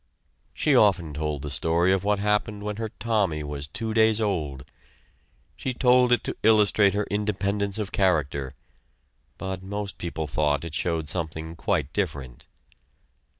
She often told the story of what happened when her Tommy was two days old. She told it to illustrate her independence of character, but most people thought it showed something quite different.